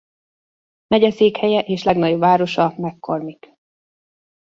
Megyeszékhelye és legnagyobb városa McCormick.